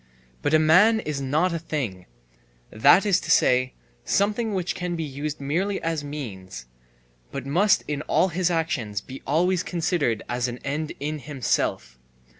But a man is not a thing, that is to say, something which can be used merely as means, but must in all his actions be always considered as an end in himself.